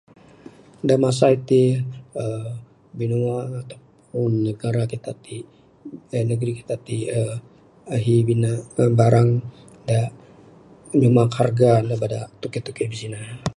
Dak masa iti uhh binua ataupun negara kita ti ehhh.. negeri kita ti uhh ahi bina barang dak nyuma harga beda tauke tauke bisina.